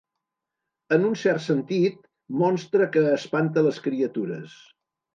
En un cert sentit, monstre que espanta les criatures.